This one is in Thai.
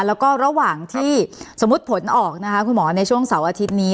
แล้วก็ระหว่างที่สมมุติผลออกนะคะคุณหมอในช่วงเสาร์อาทิตย์นี้